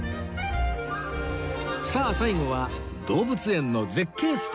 さあ最後は動物園の絶景スポットへ